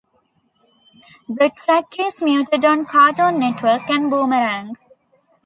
The track is muted on Cartoon Network and Boomerang.